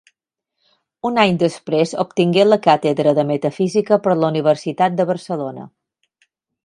Un any després obtingué la càtedra de Metafísica per la Universitat de Barcelona.